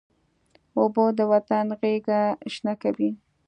اوبه د وطن غیږه شنه کوي.